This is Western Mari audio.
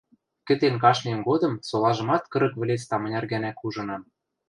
Кӹтен каштмем годым солажымат кырык вӹлец таманяр гӓнӓк ужынам.